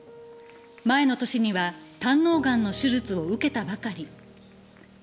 前の年には胆のうガンの手術を受けたばかり。